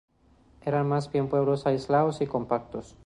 Eran más bien pueblos aislados y compactos.